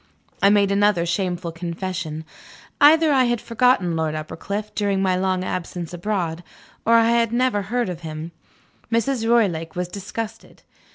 I made another shameful confession. Either I had forgotten Lord Uppercliff, during my long absence abroad, or I had never heard of him. Mrs. Roylake was disgusted.